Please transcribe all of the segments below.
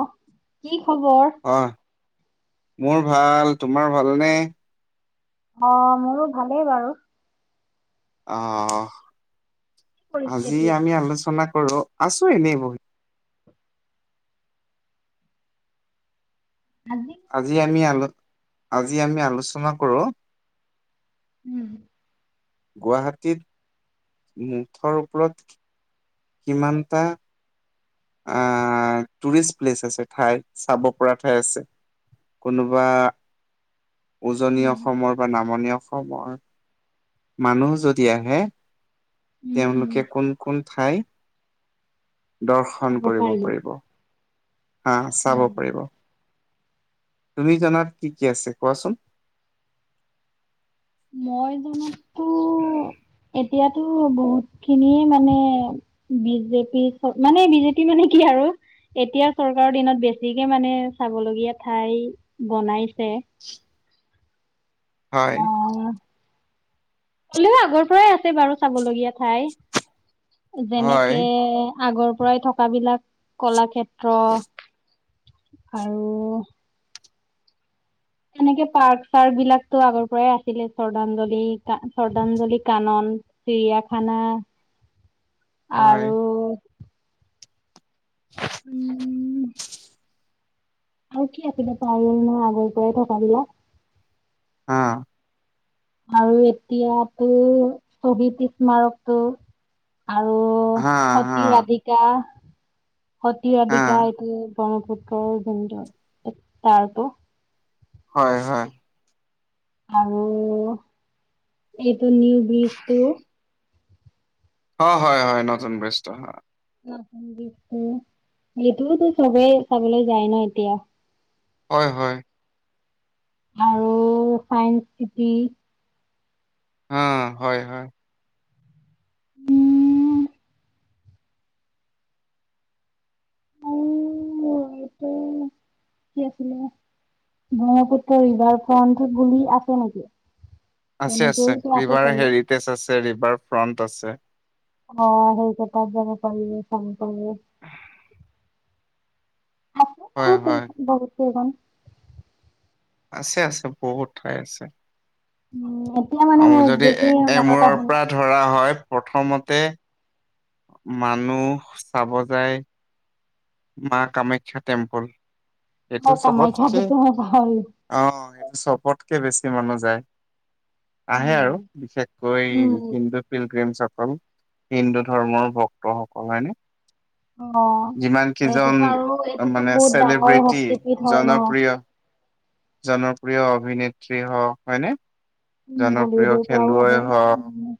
আহ কি খবৰ অহ মোৰ ভাল তোমাৰ ভাল নে অ মোৰো ভালেই বাৰু অ কি কৰিছে আজি এতিয়া? আমি আলোচনা কৰ আছো এনেই মই [unintelligible] আ আজি আমি আজি আমি আলোচনা কৰোঁ উম গুৱাহাটীত মুঠৰ ওপৰত কিমানটা আহ টুৰিষ্ট প্লেচ আছে ঠাই চাব পৰা ঠাই আছে কোনোবা উজনি উম অসমৰ বা নামনি অসমৰ মানুহ যদি আহে উম উম তেওঁলোকে কোন কোন ঠাই [unintelligible] দৰ্শন যাব কৰিব পাৰিলো পাৰিব হা চাব উম পাৰিব তুমি জনাত কি কি আছে কোৱাচোন। মই জনাতো। এতিয়াতো বহুত খিনিয়ে মানে বিজেপি চ মানে বিজেপি মানে কি। আৰু। এতিয়া চৰকাৰৰ দিনত বেছিকে মানে চাবলগীয়া ঠাই বনাইছে। হয়। আহ হলেও আগৰ পৰাই আছে বাৰু চাবলগীয়া ঠাই। হয় যেনেকে আগৰ পৰাই থকা বিলাক কলাক্ষেত্ৰ। আৰু। তেনেকে পাৰ্ক চাৰ্ক বিলাকো আগৰ পৰাই আছিলে শ্ৰদ্ধাঞ্জলি শ্ৰদাঞ্জলি কানন। চিৰিয়াখানা হয় আৰু। উম। আৰু কি আছে বাও পাহৰিলো নহয় আগৰ পৰাই থকা বিলাক। হা। আৰু এতিয়াতো শ্বহীদ স্মাৰকতটো। আৰু হা হা সতী ৰাধিকা। সতী হা ৰাধিকা এইটো ব্ৰহ্মপুত্ৰৰ যদৰ তাৰতো। হয় হয়। আৰু এইটো নিউ ব্ৰিজটো। অ হয় হয় নতুন বেষ্ট। সেইটোওতো চবেই চাবলৈ যায় ন এতিয়া। হয় হয়। আৰু চাইন্স চিটি। অ হয় হয়। উম উ এইটো কি আছিল ন ব্ৰহ্মপুত্ৰ ৰিভাৰ ফ্ৰন্ট বুলি আছে নেকি আছে আছে তেনেকেওতো ৰিভাৰ চাগে হেৰিটেজ আছে ৰিভাৰ ফ্ৰন্ট আছে অ সেই ক তাত জাব [unintelligible] আছে হয় হয় বহুত বহুতঘ। আছে আছে বহুত ঠাই আছে। উম। এতিয়া মানে মোৰ আৰু যদি একজেক্টলি এ মনত এমূৰৰ অহা নাই পৰা ধৰা হয় প্ৰথমতে। মানুহ চাব যায়। মা কামাখ্যা টেম্পল। এইটো অ চপ কি কামাখ্যাটোতো মই পাহৰিলো অ এইটো চপৰ্। কে বেছি মন যায়। আহে আৰু উম বিশেষকৈ উম হিন্দু ফিলগ্ৰিমছসকল। হিন্দু ধৰ্মৰ ভক্ত সকল হয়নে। অ যিমান কেইজন এইটোতো আৰু এইটোতো মানে বহুত ডাঙৰ চেলিব্ৰিটি। শক্তিপীঠ হয় ন জনপ্ৰিয়। জনপ্ৰিয় অভিনেত্ৰী হওক হয়নে। উম, জনপ্ৰিয় বলিউডৰ পৰাও খেলুৱৈ আহে হওক। উম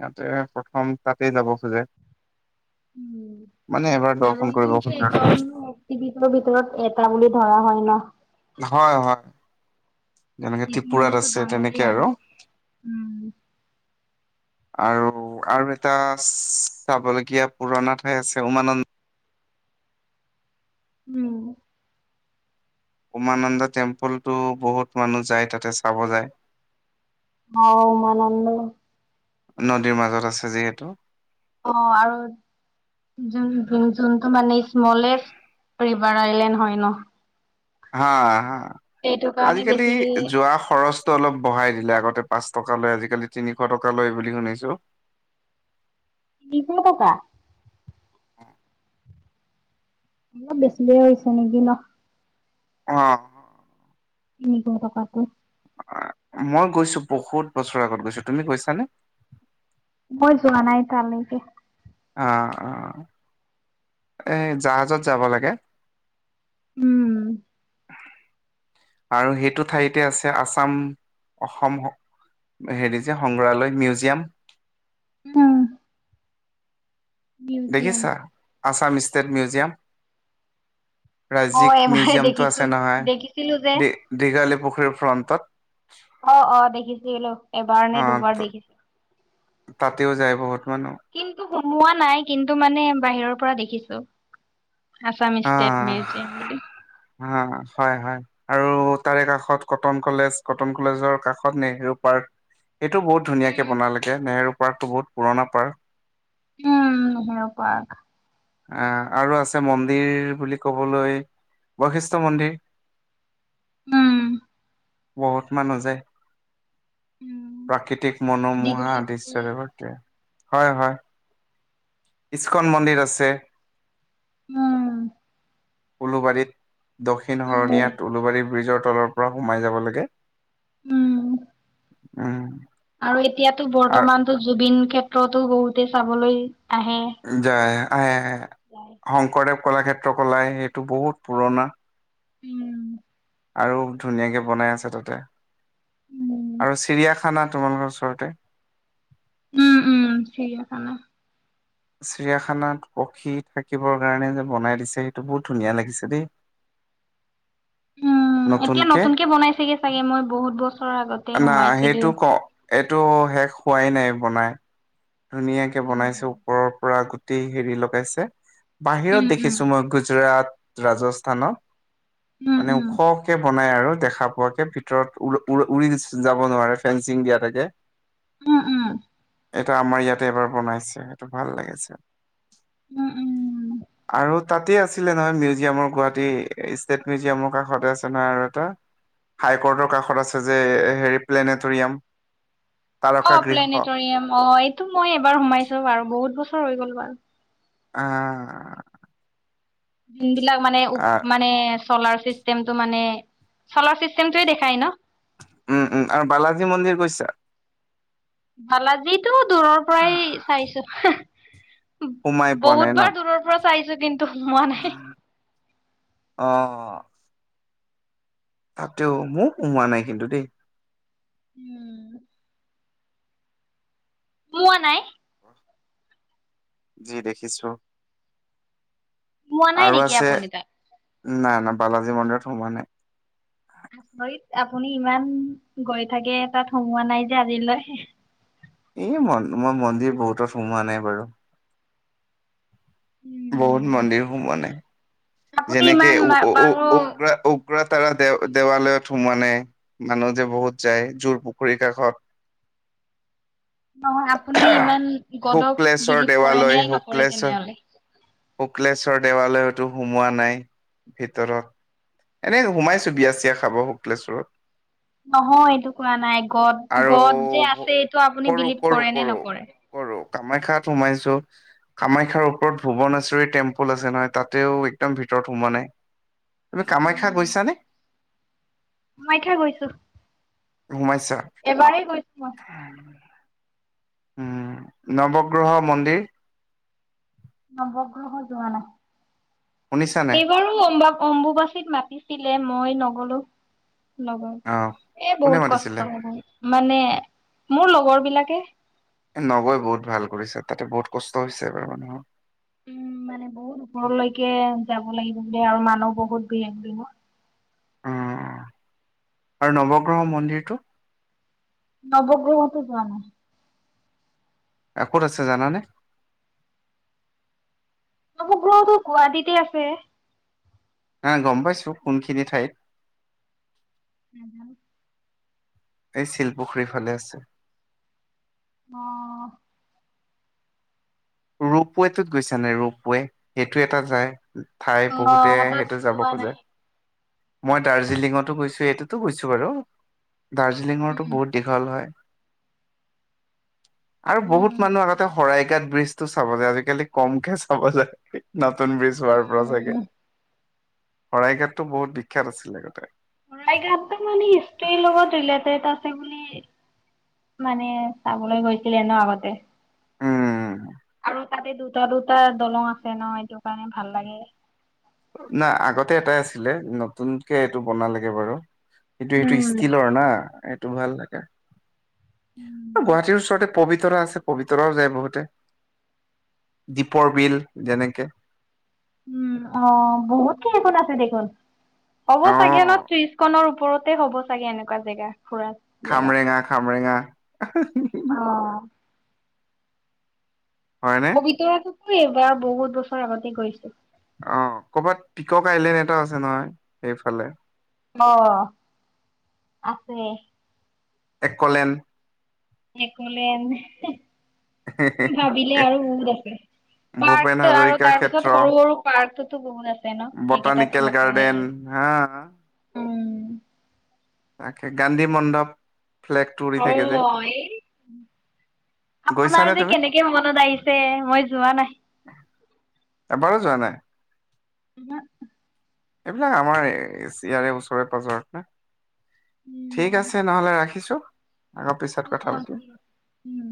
ইয়াতে প্ৰথম তাতে যাব খোজে-। উম। মানে এবাৰ কাৰণ দৰ্শন কৰিব যোনটো খু। একাউন্ন এক্টিভিটিৰ ভিতৰত এটা বুলি ধৰা হয় ন। হয় হয়। যেনেকে সটো ত্ৰিপুৰাত মানো আছে ডাঙৰেই তেনেকে আৰু উম--। আৰু আৰু এটা চাবলগীয়া পুৰণা ঠাই আছে উমানন্দ, -। উম উমানন্দা, টেম্পলতটো বহুত মানুহ যায় তাতে চাব যায়। অ উমানন্দ নদীৰ মাজত আছে যিহেতু অ আৰু যোনটো মানে স্মলেষ্ট ৰিভাৰ আইলেণ্ড হয় ন হা হা সেইটো কাৰণে আজিকালি বেছিকে যোৱা খৰচটো অলপ বঢ়াই দিলে। আগতে পাঁচ টকা লয় আজিকালি তিনিশ টকা লয় বুলি শুনিছো। তিনিশ টকা [inaudible] অলপ বেছ দেৰি হৈছে নেকি ন। অ নিজৰ টকাটো মই গৈছো বহুত বছৰৰ আগত গৈছো তুমি গৈছানে। মই যোৱা নাই তালৈকে- অ অ এই জাহাজত যাব লাগে। উম আৰু সেইটো ঠাইতে আছে আছাম অসম হেৰি যে সংগ্ৰহালয় মিউজিয়াম হম দেখিছা আছাম ষ্টেট মিউজিয়াম। ৰাজ্যিক মই এবাৰ মিউজিয়ামতটো দেখিছো আছে নহয় দেখিছিলো যে। দি দীঘলী পুখুৰীৰ ফ্ৰণ্টত অ অ দেখিছিলো এবাৰ নে অ দুবাৰ দেখিছিলো। তাতেও যায় বহুত মানুহ কিন্তু সুমোৱা নাই কিন্তু মানে বাহিৰৰ পৰা দেখিছো। আছাম ষ্টেট আহ মিউজিয়ম বুলি। হা হয় হয় আৰু তাৰে কাষত কটন কলেজ কটন কলেজৰ কাষত নেহেৰু পাৰ্ক- এইটো বহুত ধুনীয়াকে বনালেগে নেহেৰু পাৰ্কতটো বহুত পুৰণা পাৰ্ক। উম নেহেৰু পাৰ্ক আহ আৰু আছে মন্দিৰ বুলি কবলৈ বশিষ্ঠ মন্দিৰ উম বহুত মানুহ যায়। প্ৰাকৃতিক মনোমোহা দীঘলী পুখুৰী আদৃশয়ৰেৱ্তোৱে হয় হয় ইছ্কন মন্দিৰ আছে। উম উলুবাৰীত দক্ষিণ উম হৰণীয়াত উলুবাৰী ব্ৰিজৰ তলৰ পৰা সোমাই যাব লাগে। উম উম আৰু এতিয়াতো বৰ্তমানতো জুবিন ক্ষেত্ৰতো বহুতে চাবলৈ আহে। যায় আহে আহে শংকৰদেৱ কলাক্ষেত্ৰ কলাই এইটো বহুত পুৰণা উম আৰু ধুনীয়াকে বনাই আছে তাতে। উম আৰু চিৰিয়াখানা তোমালোকৰ ওচৰতে। উম উম সেই কানে চিৰিয়াখানাত পখী থাকিবৰ কাৰণে যে বনাই দিছে সেইটো বহুত ধুনীয়া লাগিছে দেই। উম এতিয়া নতুনকে নতুন কে বনাইছেগে চাগে মই বহুত বছ না সেইটো ক এইটো শেষ হোৱাই নাই বনাই। ধুনীয়াকে বনাইছে উম ওপৰৰ পৰা গোটি হেৰি লগাইছে উম বাহিৰত উম দেখিছো মই গুজৰাট ৰাজস্থানত উম মানে উম ওখকে ব- নাই আৰু দেখা পোৱাকে ভিতৰত উ উ উৰি যাব নোৱাৰে ফেঞ্চিন দিয়া থাকে। উম উম। ত আমাৰ ইয়াতে এবাৰ বনাইছে, সেইটো ভাল লাগিছে, উম উম আৰু তাতে আছিলে নহয় মিউজিয়ামৰ গুৱাহাটী ষ্টেট মিউজিয়ামৰ কাষতে আছে নহয় আৰু এটা। হাই কৰ্টৰ কাষত আছে যে হেৰি প্লেনেটৰিয়াম। অ তাৰকা গৃহ। প্লেনেটৰিয়াম অ এইটো মই এবাৰ সোমাইছো বাৰু বহুত বছৰ হৈ গ'ল বাৰু। আহ যোন বিলাক মানে আহ মানে চলাৰ চিষ্টেমটো মানে চলাৰ চিষ্টেমটোয়ে দেখাই ন? উম উম আৰু বালাজী মন্দিৰ গৈছা? ভালাজিটো দূৰৰ পৰাই চাইছো। সোমাই বহুতবাৰ দূৰৰ পৰা চাইছো কিন- অহ তাতেও মোক সোমোৱা নাই কিন্তু দেই। উম মোৱা নাই? যি দেখিছো। সোমোৱা নাই আৰু নেকি আছে আপুনি তাত? নাই না বালাজী মন্দিৰত সোমোৱা নাই। আচৰিত আপুনি ইমান গৈ থাকে তাত সোমোৱা নাই যে আজিলৈ। এই ম মই মন্দিৰ বহুতত সোমোৱা নাই বাৰু। বহুত উম। মন্দিৰ সোমোৱা নাই আপুনি যেনেকে ইমান উ উ বাৰু উব্ৰা উব্ৰা কুৰা তাৰা দে দেৱালয়ত সোমোৱা নাই মানুহ যে বহুত যায় জোৰ পুখুৰীৰ কাষত। [inaudible] নহয় আপুনি ইমান গদক শুক্লেশ্বৰ বিলিভ কৰে নে দেৱালয় নকৰে শুক্লেশ্বৰ তেনেহলে? শুক্লেশ্বৰ দেৱালয়তো সোমোৱা নাই ভিতৰত। এনেই সোমাইছো বিয়া চিয়া খাব শুক্লেশ্বৰত। নহয় এইটো কোৱা নাই গদ আৰু গদ যে আছে ভ- এইটো আপুনি কৰো বিলিভ কৰো কৰে নে কৰো নকৰে? কৰো কামাখ্যাত সোমাইছো কামাখ্যাৰ ওপৰত ভুুৱন আছে শ্বৰি টেম্পুল আছে নহয় তাতেও একদম ভিতৰত সোমোৱা নাই। তুমি কামাখ্যা গৈছানে? মাইথা গৈছো। সোমাইছা এবাৰেই গৈছো মই। উম নৱগ্ৰহ মন্দিৰ নৱগ্ৰহ যোৱা নাই, শুনিছানে এইবাৰো অম্বাব- অম্বুবাচীত মাতিছিলে মই নগলো। লগৰ অ এ কোনে বহুত মাতিছিলে কষ্ট হব মানে মোৰ লগৰ বিলাকে নগৈ বহুত ভাল কৰিছে তাতে বহুত কষ্ট হৈছে এবাৰ মানুহৰ। উম মানে বহুত ওপৰলৈকে যাব লাগ- যে আৰু মানুহ বহুত ভিৰ থাকিব। উম আৰু নৱগ্ৰহ মন্দিৰটো? নৱগ্ৰহটো যোৱা নাই। ক'ত আছে জানা নে? মোৰ ঘৰতো গুৱাহাটীতে আছে। হ গম পাইছো কোনখিনি ঠাইত [unintelligible] এই শিলপুখুৰীৰ ফালে আছে। অ ৰূপৱেটোত গৈছা নাই ৰূপৱে সেইটো এটা যায়। ঠাই বহুতে অ', তাত সেইটো যাব যোৱা নাই। খোজে। মই দাৰ্জিলিঙতো গৈছো এইটোতো গৈছো বাৰু দাৰ্জিলিঙৰতো উম। বহুত দীঘল হয় আৰু উম। বহুত মানুহ আগতে শৰাইঘাত ব্ৰিজ টো চাব যায় আজিকালি কমকে চাব যায় নতুন ব্ৰিজ হোৱাৰ পৰা চাগে উম, শৰাইঘাতটো বহুত বিখ্যাত আছিলে আগতে শৰাইঘাটতো মানে হিষ্ট্ৰী লগত ৰিলেটেড আছে বুলি মানে চাবলৈ গৈছিলে ন আগতে উম আৰু তাতে দুটা দুটা দলং আছে ন এইটো কাৰণে ভাল লাগে নাই আগতে এটাই আছিলে নতুনকে এইটো বনালেগে বাৰু কিন্তু সেইটো উম। ষ্টিলৰ না এইটো ভাল লাগে আ গুৱাহাটীৰ ওচৰতে পবিতৰা আছে পবিতৰাও যায় বহুতে দীপৰ বিল যেনেকে উম অ বহুত কেইখন আছে দেখোন হ'ব অ চাগে ন ত্ৰিশখনৰ ও পৰতে হব চাগে এনেকোৱা জেগা ফুৰা জেগা। খামৰেঙা খামৰেঙা অ হয়নে পবিতৰাতোতো এইবাৰ বহুত বছৰ আগতে গৈছিলো অ ক'ৰবাত টিকক আইলেণ্ড এটাও আছে নহয় সেইফালে অহ আছে এক'লেন একলেন ভাবিলে আৰু বহুত আছে ভূপেন পাৰ্ক আৰু হাজৰিকা তাৰ ক্ষেত্ৰ পিছত সৰু সৰু পাৰ্কতো বহুত আছে ন সেইকেইটতো বটানিকেল নকওয়েই গাৰ্ডেন হা আৰু উম। তাকে গান্ধী মণ্ডপ ফ্লেগটো উৰি অ থাকে যে এই গৈছানে আপোনাৰ যে তুমি কেনেকে মনত আহিছে মই যোৱা নাই এবাৰো যোৱা নাই না এইবিলাক আমাৰ ইয়াৰে ওচৰে পাজৰে না উম ঠিক আছে নহলে ৰাখিছো আকৌ পিছত অহ কথা অ পাতিম উম